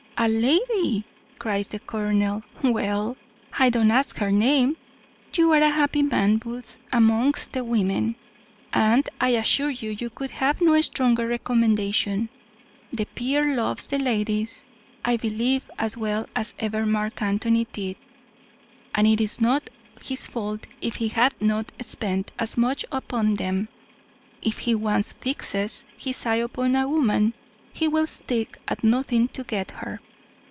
"A lady!" cries the colonel; "well, I don't ask her name. You are a happy man, Booth, amongst the women; and, I assure you, you could have no stronger recommendation. The peer loves the ladies, I believe, as well as ever Mark Antony did; and it is not his fault if he hath not spent as much upon them. If he once fixes his eye upon a woman, he will stick at nothing to get her."